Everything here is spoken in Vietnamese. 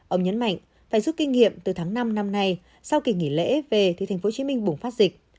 ông nhấn mạnh phải giúp kinh nghiệm từ tháng năm năm nay sau kỳ nghỉ lễ về thì tp hcm bùng phát dịch